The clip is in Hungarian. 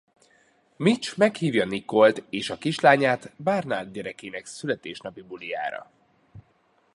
Mitch meghívja Nicole-t és a kislányát Barnard gyerekének születésnapi bulijára.